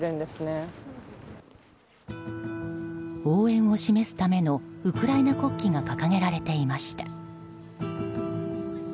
応援を示すためのウクライナ国旗が掲げられていました。